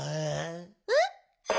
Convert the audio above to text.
えっ？